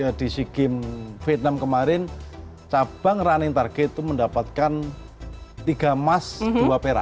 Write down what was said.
kebetulan di asean di sea games vietnam kemarin cabang running target itu mendapatkan tiga emas dua pera